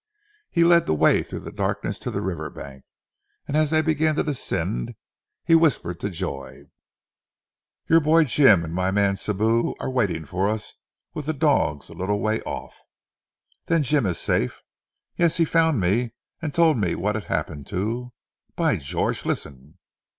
He led the way through the darkness to the river bank, and as they began to descend he whispered to Joy "Your boy Jim, and my man Sibou, are waiting for us with the dogs, a little way off." "Then Jim is safe?" "Yes, he found me, and told me what had happened to By George, listen!"